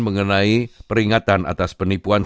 mengenai peringatan atas penipuan